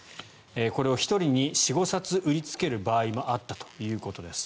これを１人に４５冊売りつける場合もあったということです。